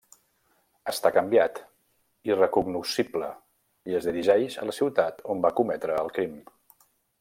Està canviat, irrecognoscible, i es dirigeix a la ciutat on va cometre el crim.